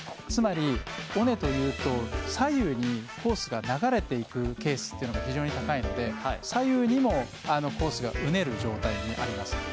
つまり、尾根というと左右にコースが流れているケースというのが非常に高いので左右にもコースがうねる状態にあります。